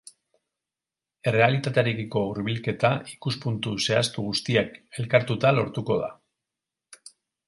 Errealitatearekiko hurbilketa ikuspuntu zehaztu guztiak elkartuta lortuko da.